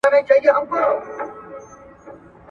خپل شعرونه چاپ کړل `